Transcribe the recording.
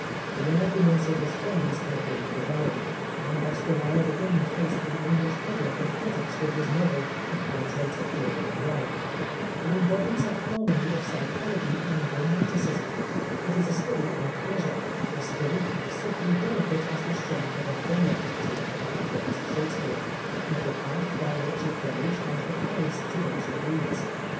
The arguments of his friends luckily prevailed, and Oscar Wilde again faced the English public and critics with his novel, The Portrait of Dorian Gray. It embodies a 2.64 Oscar Wilde harmony of psychology and romanticism. It is a study on Pleasure a study, subtly delicate as the strength of a flower (to para phrase Shakespeare), of the path by which it goes and the place to which it leads.